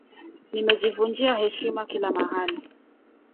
Nimejivunjia heshima kila mahali